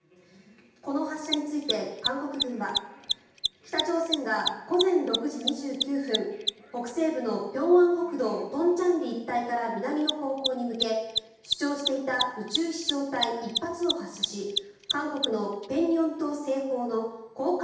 この発射について韓国軍は北朝鮮が午前６時２９分北西部の平安北道東倉里一帯から南の方向に向け主張していた宇宙飛翔体１発を発射しあぁ